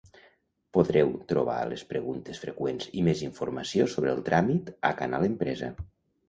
Podreu trobar les preguntes freqüents i més informació sobre el tràmit a Canal Empresa.